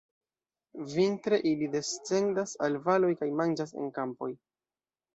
Vintre ili descendas al valoj kaj manĝas en kampoj.